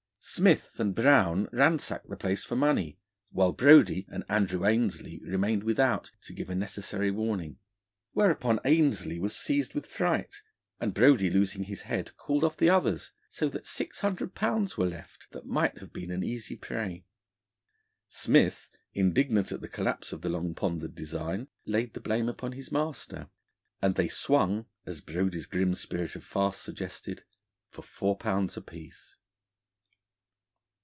Smith and Brown ransacked the place for money, while Brodie and Andrew Ainslie remained without to give a necessary warning. Whereupon Ainslie was seized with fright, and Brodie, losing his head, called off the others, so that six hundred pounds were left, that might have been an easy prey. Smith, indignant at the collapse of the long pondered design, laid the blame upon his master, and they swung, as Brodie's grim spirit of farce suggested, for four pounds apiece.